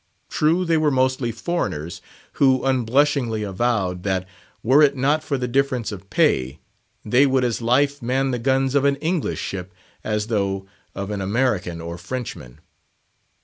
True, they were mostly foreigners who unblushingly avowed, that were it not for the difference of pay, they would as lief man the guns of an English ship as those of an American or Frenchman.